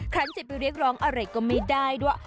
ครั้งจะไปเรียกร้องอะไรก็ไม่ได้ด้วย